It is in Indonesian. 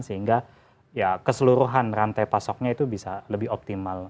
sehingga ya keseluruhan rantai pasoknya itu bisa lebih optimal